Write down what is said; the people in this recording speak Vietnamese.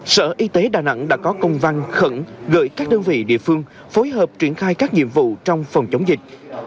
sở y tế đà nẵng đã có công văn khẩn gửi các đơn vị địa phương phối hợp triển khai các nhiệm vụ trong phòng chống dịch